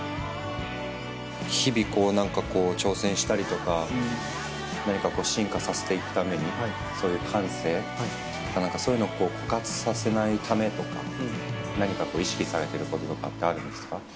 日々挑戦したりとか何か進化させていくためにそういう感性そういうのを枯渇させないためとか何か意識されてることとかってあるんですか？